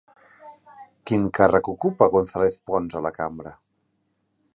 Quin càrrec ocupa González Pons a la cambra?